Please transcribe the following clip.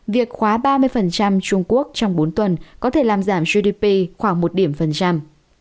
việc khóa ba mươi trung quốc trong bốn tuần có thể làm giảm gdp khoảng một điểm phần trăm